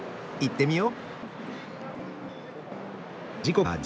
行ってみよう！